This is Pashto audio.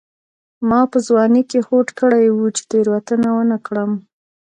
ما په ځوانۍ کې هوډ کړی و چې تېروتنه ونه کړم.